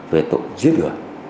về tội giết người